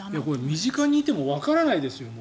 身近にいてもわからないですよ。